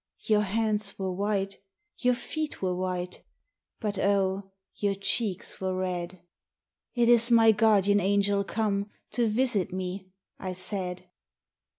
Your hands were white, your feet were white, But, oh, your cheeks were red !" It is my guardian angel come To visit me," I said.